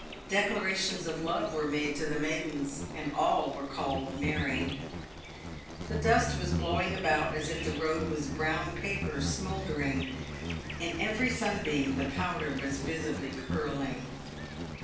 Declarations of love were made to the maidens, and all were called Mary. The dust was blowing about, as if the road was brown paper smouldering. In every sunbeam the powder was visibly curling.